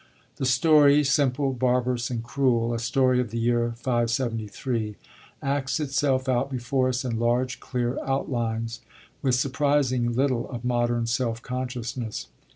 The story, simple, barbarous, and cruel a story of the year 573 acts itself out before us in large clear outlines, with surprisingly little of modern self consciousness.